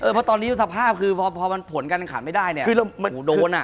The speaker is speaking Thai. เพราะตอนนี้สภาพคือพอผลการต่างขาดไม่ได้เนี่ยโหโดนอ่ะ